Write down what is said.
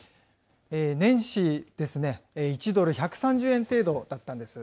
年始ですね、１ドル１３０円程度だったんですね。